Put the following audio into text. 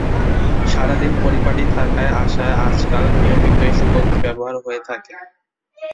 সারা দিন পরিপাটি থাকার আশায় আজকাল নিয়মিতই সুগন্ধি ব্যবহার করা হয়ে থাকে।